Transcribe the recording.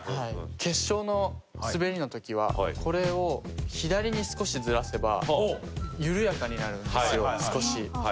決勝の滑りの時はこれを左に少しずらせば緩やかになるんですよ、少し。